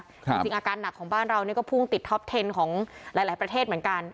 จริงอาการหนักของบ้านเราเนี่ยก็พุ่งติดท็อปเทนของหลายหลายประเทศเหมือนกัน